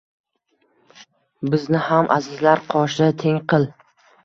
Bizni ham azizlar qoshida teng qil.